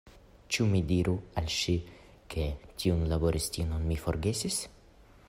Ĉu mi diru al ŝi, ke tiun laboristinon mi forigis?